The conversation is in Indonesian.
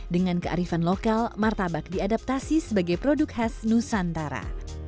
dengan kearifan lokal martabak diadaptasi sebagai produk khas nusantara